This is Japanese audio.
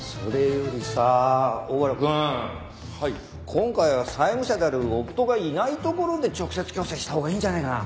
今回は債務者である夫がいない所で直接強制したほうがいいんじゃないかな？